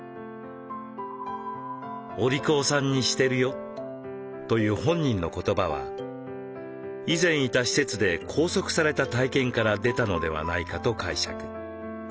「おりこうさんにしてるよ」という本人の言葉は以前いた施設で拘束された体験から出たのではないかと解釈。